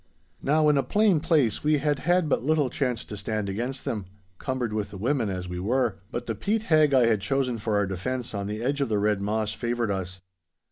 Now, in a plain place we had had but little chance to stand against them, cumbered with the women as we were; but the peat hag I had chosen for our defence on the edge of the Red Moss favoured us.